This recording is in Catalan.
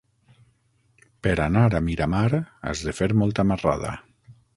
Per anar a Miramar has de fer molta marrada.